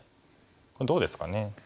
これどうですかね。